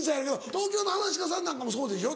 東京のはなし家さんなんかもそうでしょ？